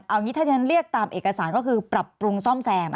เอานี่เท่านั้นเรียกตามเอกสารก็คือปรับปรุงซ่อมแซม